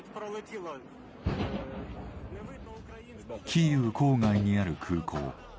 キーウ郊外にある空港。